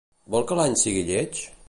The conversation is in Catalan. Vol que l'any sigui lleig?